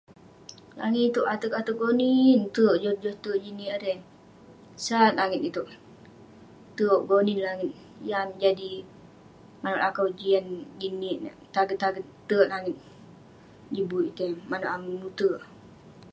Langit ituek ateg-ateg gonin tuek, joh-joh terk jin nek irei sat langit ituek terk gonin langit yeng amik jadi manuek lakau jian Jin nik nek taget-taget tek langit Jin but itei juk meluterk.